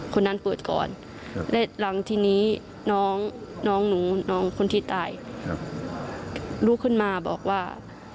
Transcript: คนนั้นเปิดก่อนและหลังทีนี้น้องน้องหนูน้องคนที่ตายครับลุกขึ้นมาบอกว่า